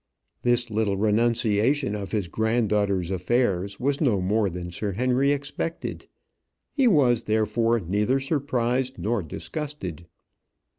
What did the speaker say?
This little renunciation of his granddaughter's affairs was no more than Sir Henry expected. He was, therefore, neither surprised nor disgusted.